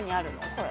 これ。